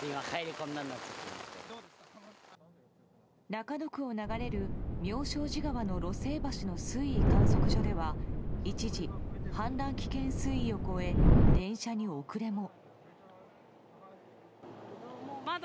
中野区を流れる妙正寺川の鷺盛橋の水位観測所では一時氾濫危険水位を超え電車に遅れも。